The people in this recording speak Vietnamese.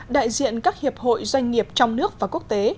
đại diện các hiệp hội doanh nghiệp trong nước và quốc tế